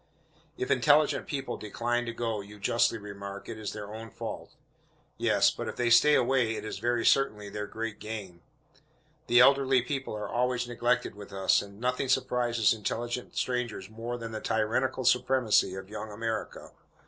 If intelligent people decline to go, you justly remark, it is their own fault. Yes, but if they stay away, it is very certainly their great gain. The elderly people are always neglected with us, and nothing surprises intelligent strangers more than the tyrannical supremacy of Young America.